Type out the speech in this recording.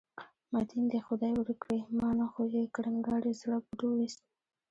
متین دې خدای ورک کړي، ما نه خو یې کړنګاري زړه بوټ وویست.